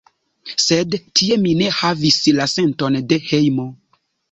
Sed tie mi ne havis la senton de hejmo.